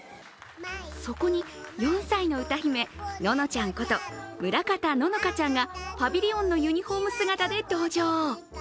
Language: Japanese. そこに４歳の歌姫、ののちゃんこと村方乃々佳ちゃんがパビリオンのユニフォーム姿で登場。